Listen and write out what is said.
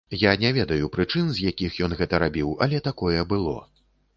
Я не ведаю прычын, з якіх ён гэта рабіў, але такое было.